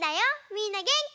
みんなげんき？